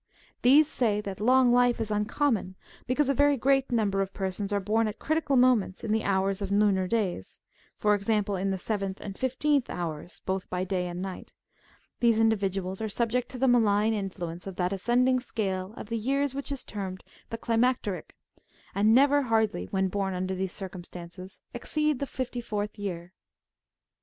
These say that long life is uncommon, because a very great num ber of persons are born at critical moments in the hours of the lunar days ; for example, in the seventh and the fifteenth houi's, both by day and night; these individuals are subject to the malign influence of that ascending scale of the years which is termed the " climacteric," ^'^ and never hardly, when born under these circumstances, exceed the fifty fourth year.